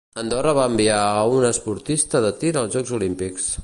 Andorra va enviar a un esportista de tir als Jocs Olímpics.